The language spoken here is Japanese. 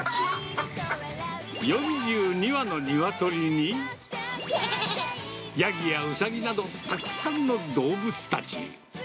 ４２羽のニワトリに、ヤギやウサギなどたくさんの動物たち。